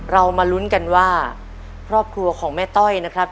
เรามาลุ้นกันว่าครอบครัวของแม่ต้อยนะครับ